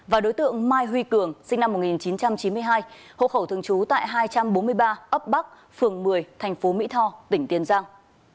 và đối tượng mai huy cường sinh năm một nghìn chín trăm chín mươi hai hộ khẩu thường trú tại hai trăm bốn mươi ba ấp bắc phường một mươi thành phố mỹ tho tỉnh tiền giang